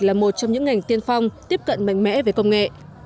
là một trong những ngành tiên phong tiếp cận mạnh mẽ về công nghệ